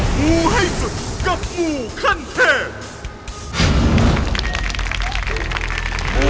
หมูให้สุดกับหมูขั่นแทบ